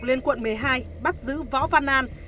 lên quận một mươi hai bắt giữ võ văn an